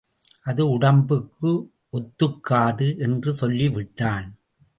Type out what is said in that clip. அது உடம்புக்கு ஒத்துக்காது என்று சொல்லி விட்டான்.